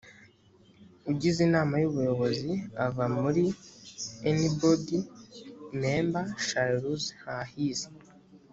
ugize inama y ubuyobozi ava muri any board member shall lose her his